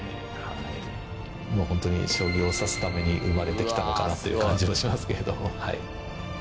もう本当に、将棋を指すために生まれてきたのかなっていう感じはしますけれども。